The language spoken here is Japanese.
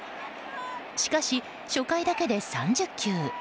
しかし、初回だけで３０球。